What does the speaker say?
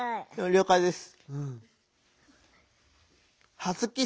了解です。